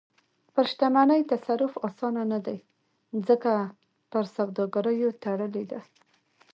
پر شتمنۍ تصرف اسانه نه دی، ځکه په سوداګریو تړلې ده.